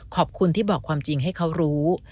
ขอบคุณที่บอกความจริงให้เขารู้